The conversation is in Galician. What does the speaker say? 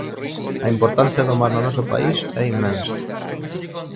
A importancia do mar no noso país é inmensa.